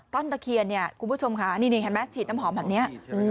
ต้นตะเคียนคุณผู้ชมค่ะนี่ใช่ไหมฉีดสเปรย์น้ำหอมแบบนี้